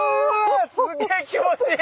すげえ気持ちいい！